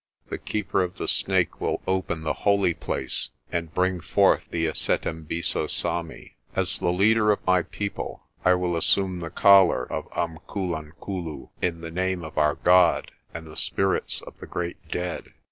"The Keeper of the Snake will open the holy place, and bring forth the Isetembiso sami.f As the leader of my people, I will assume the collar of Umkulunkulu in the name of our God and the spirits of the great dead."